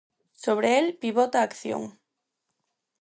Sobre el pivota a acción.